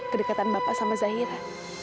kedekatan bapak sama zahira